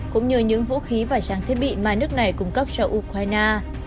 cũng như những vũ khí và trang thiết bị mà nước này cung cấp cho ukraine